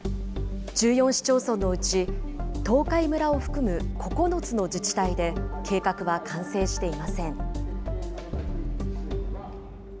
１４市町村のうち、東海村を含む９つの自治体で、計画は完成していません。